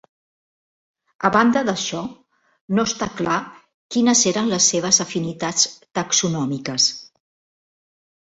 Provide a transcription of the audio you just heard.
A banda d'això, no està clar quines eren les seves afinitats taxonòmiques.